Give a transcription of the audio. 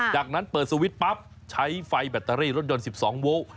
จากนั้นเปิดสวิตช์ปั๊บใช้ไฟแบตเตอรี่รถยนต์๑๒โวลต์